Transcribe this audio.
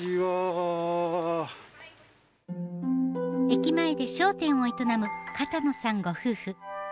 駅前で商店を営む片野さんご夫婦。